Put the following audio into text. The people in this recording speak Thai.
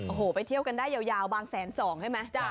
โอ้โหไปเที่ยวกันได้ยาวบางแสนสองใช่ไหม